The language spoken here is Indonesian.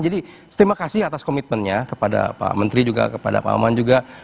jadi terima kasih atas komitmennya kepada pak menteri juga kepada pak aman juga